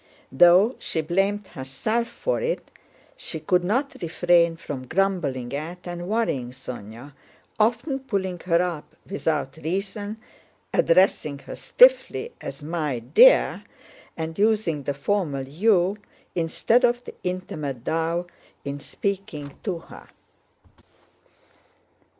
Though she blamed herself for it, she could not refrain from grumbling at and worrying Sónya, often pulling her up without reason, addressing her stiffly as "my dear," and using the formal "you" instead of the intimate "thou" in speaking to her.